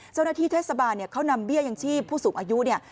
เจ้าหน้าที่เทศบาลเนี่ยเขานำเบี้ยยังชีพผู้สูงอายุเนี่ย